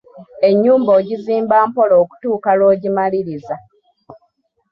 Ennyumba ogizimba mpola okutuuka lw'ogimaliriza.